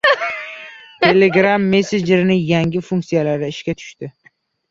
Telegram messenjeri yangi funksiyani ishga tushiradi